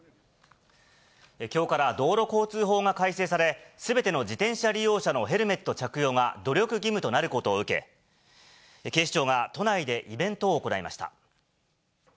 きょうから道路交通法が改正され、すべての自転車利用者のヘルメット着用が努力義務となることを受け、警視庁が都内でイベントを行いました。